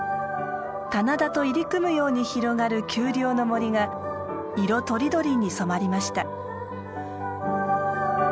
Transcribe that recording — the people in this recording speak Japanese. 棚田と入り組むように広がる丘陵の森が色とりどりに染まりました。